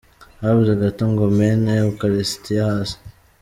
Habuze gato ngo mene Ukaristiya hasi.